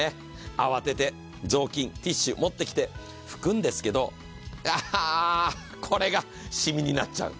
慌てて雑巾、ティッシュ持ってきて拭くんですけど、ああ、これが染みになっちゃう。